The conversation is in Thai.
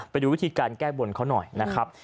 ไปดูวิธีการแก้บนเขาหน่อยนะครับ